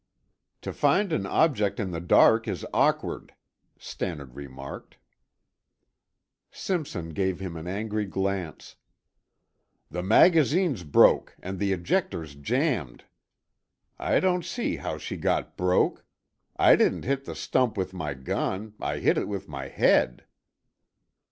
"To find an object in the dark is awkward," Stannard remarked. Simpson gave him an angry glance. "The magazine's broke and the ejector's jambed. I don't see how she got broke. I didn't hit the stump with my gun; I hit it with my head."